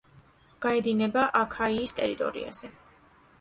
გაედინება აქაიის ტერიტორიაზე.